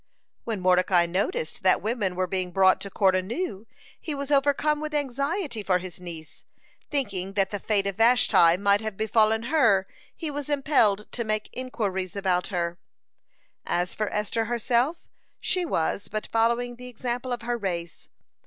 When Mordecai noticed that women were being brought to court anew, he was overcome with anxiety for his niece. Thinking that the fate of Vashti might have befallen her, he was impelled to make inquires about her. (85) As for Esther herself, she was but following the example of her race.